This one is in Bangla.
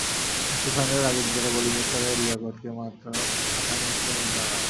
আজকের ফাইনালের আগে দিদার বলী মিরসরাইয়ের লিয়াকতকে মাত্র আধা মিনিটের মধ্যে হারান।